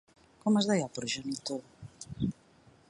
Com es deia el progenitor?